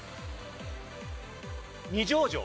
二条城。